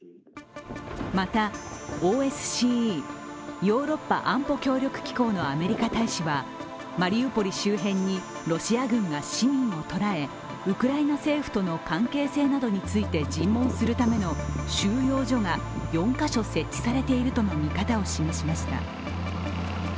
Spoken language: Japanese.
またＯＳＣＥ＝ヨーロッパ安保協力機構のアメリカ大使はマリウポリ周辺にロシア軍が市民を捕らえウクライナ政府との関係性などについて尋問するための収容所が４カ所設置されているとの見方を示しました。